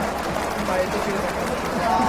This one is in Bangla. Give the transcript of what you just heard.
বাড়িতে ফিরে দেখা হবে।